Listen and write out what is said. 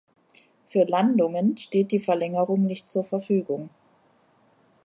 Für Landungen steht die Verlängerung nicht zur Verfügung.